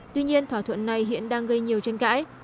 tuy nhiên thỏa thuận này hiện đang gây nhiều tranh cãi